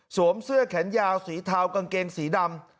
เสื้อแขนยาวสีเทากางเกงสีดำ